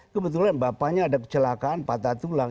kebetulan bapaknya ada kecelakaan patah tulang